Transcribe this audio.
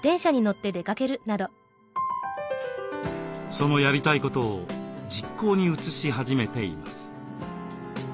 そのやりたいことを実行に移し始めています。